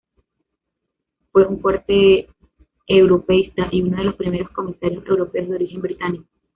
Fue un fuerte europeísta, y uno de los primeros Comisarios Europeos de origen británico.